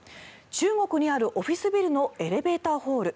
中国にあるオフィスビルのエレベーターホール。